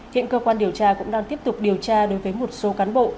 hiện cơ quan điều tra cũng đang tiếp tục điều tra đối với một số cán bộ